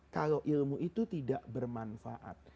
kalau ilmu itu tidak bermanfaat